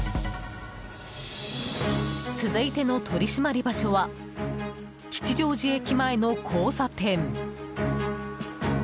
続いての取り締まり場所は吉祥寺駅前の交差点。